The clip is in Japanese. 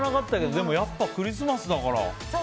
でも、クリスマスだから。